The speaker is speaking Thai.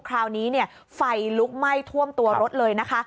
คราวนี้ไฟลุกไหม้ท่วมตัวรถเลยนะคะ